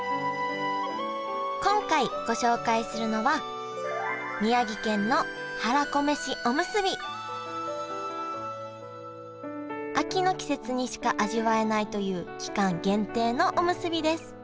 今回ご紹介するのは秋の季節にしか味わえないという期間限定のおむすびです。